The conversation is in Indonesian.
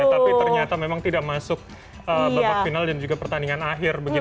tapi ternyata memang tidak masuk babak final dan juga pertandingan akhir